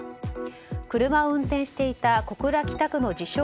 車を運転していた小倉北区の自称